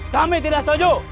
kami tidak setuju